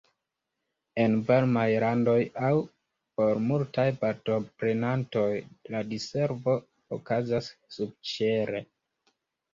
En varmaj landoj aŭ por multaj partoprenantoj la diservo okazas subĉiele.